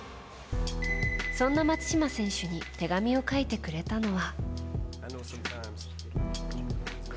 そんな松島選手に手紙を書いてくれたのは。